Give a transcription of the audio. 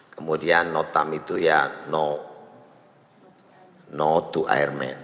kemudian notam itu yang no to airmen